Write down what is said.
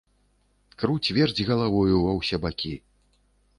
Круць-верць галавою ва ўсе бакі.